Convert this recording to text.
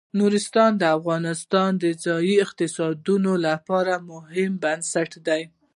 نورستان د افغانستان د ځایي اقتصادونو لپاره یو مهم بنسټ دی.